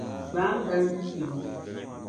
Gbaam dalim tia ŋɔ!